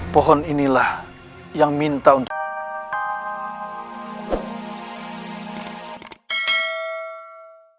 pohon inilah yang minta untuk